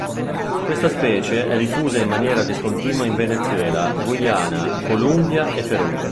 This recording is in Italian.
Questa specie è diffusa in maniera discontinua in Venezuela, Guyana, Colombia e Perù.